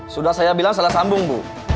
sudah saya bilang salah sambung bu